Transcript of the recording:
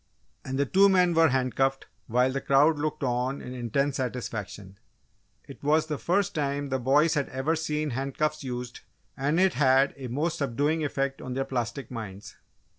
And the two men were handcuffed while the crowd looked on in intense satisfaction. It was the first time the boys had ever seen handcuffs used and it had a most subduing effect on their plastic minds.